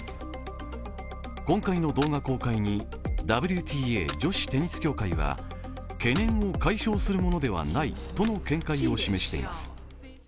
今回の動画公開にＷＴＡ＝女子テニス協会は懸念を解消するものではないとの見解を示しています。